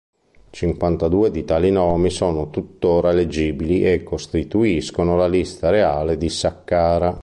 Cinquantadue di tali nomi sono tuttora leggibili e costituiscono la Lista reale di Saqqara.